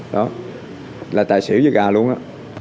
đó là tài xỉu với gà luôn đó